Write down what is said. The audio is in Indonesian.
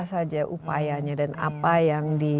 saja upayanya dan apa yang di